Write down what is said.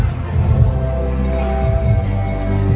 สโลแมคริปราบาล